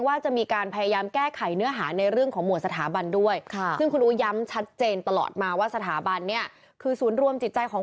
ถ้าเกิดการแก้ไขรัฐธรรมนูนจริง